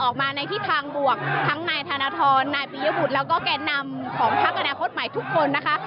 ออกมาในทิศทางบวกทั้งนายธนทรนายปียบุตรแล้วก็แก่นำของพักอนาคตใหม่ทุกคนนะคะ